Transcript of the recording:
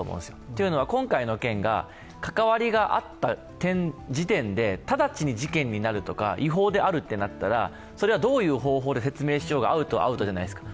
というのは、今回の件が、関わりがあった時点で直ちに事件になるとか違法であるとなったらそれはどういう方法で説明しようが、アウトはアウトじゃないですか。